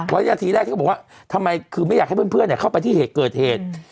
วินาทีแรกที่เขาบอกว่าทำไมคือไม่อยากให้เพื่อนเข้าไปที่เหตุเกิดเหตุ